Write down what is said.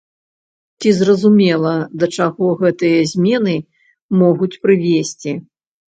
Ці зразумела, да чаго гэтыя змены могуць прывесці?